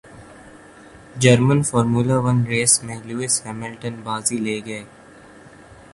German formula one race میں Lewis Hamilton بازی لے گئے